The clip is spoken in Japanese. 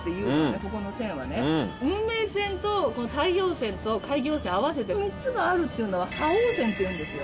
ここの線はね運命線と太陽線と開業線合わせて３つがあるっていうのは覇王線っていうんですよ